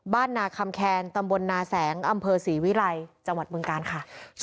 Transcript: นาคำแคนตำบลนาแสงอำเภอศรีวิรัยจังหวัดเมืองกาลค่ะ